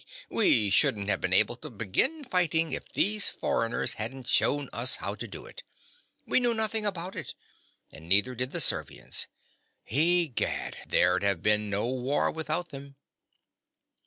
_) We shouldn't have been able to begin fighting if these foreigners hadn't shewn us how to do it: we knew nothing about it; and neither did the Servians. Egad, there'd have been no war without them.